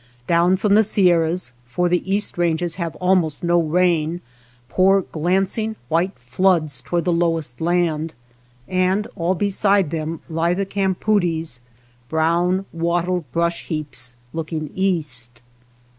Down from the Sierras, for the east ranges have almost no rain, pour glancing white floods toward the lowest land, and all beside them lie the campoodies, brown wattled brush heaps, looking east.